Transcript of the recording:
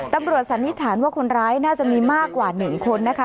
สันนิษฐานว่าคนร้ายน่าจะมีมากกว่า๑คนนะคะ